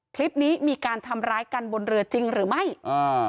คลิปนี้มีการทำร้ายกันบนเรือจริงหรือไม่อ่า